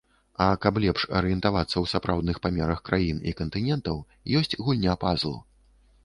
А каб лепш арыентавацца ў сапраўдных памерах краін і кантынентаў, ёсць гульня-пазл.